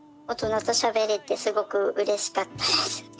大人としゃべれてすごくうれしかったです。